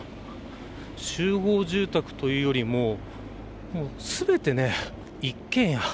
集合住宅というよりも全て一軒家。